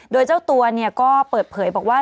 โดยเจ้าตัวก็เปิดเผยบอกว่า